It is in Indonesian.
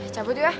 cabut yuk ya